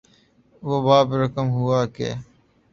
وہ باب رقم ہوا کہ